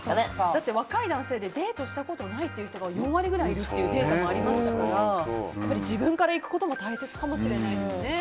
だって若い男性でデートしたことないっていう人が４割ぐらいいるっていうデータもありましたからやっぱり自分から行くことも大切かもしれませんね。